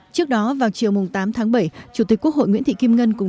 trước đó vào chiều tám tháng bảy